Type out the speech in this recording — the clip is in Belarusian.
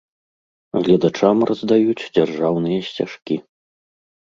Гледачам раздаюць дзяржаўныя сцяжкі.